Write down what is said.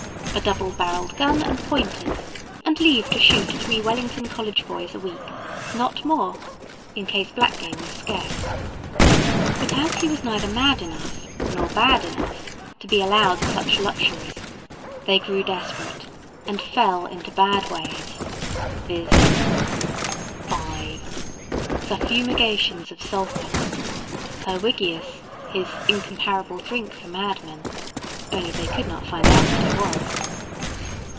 A double barrelled gun and pointers, and leave to shoot three Wellington College boys a week (not more) in case black game was scarce. But as he was neither mad enough nor bad enough to be allowed such luxuries, they grew desperate, and fell into bad ways, viz.— 5. Suffumigations of sulphur. Herrwiggius his "Incomparable drink for madmen:" Only they could not find out what it was.